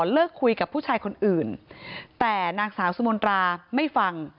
เลิกคุยกับผู้ชายคนอื่นแต่นางสาวสุมนตราไม่ฟัง